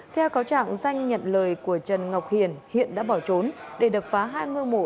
theo cáo trạng danh nhận lời của trần ngọc hiển hiển đã bỏ trốn để đập phá hai ngôi mổ